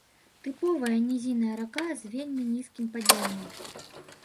Тыповая нізінная рака з вельмі нізкім падзеннем.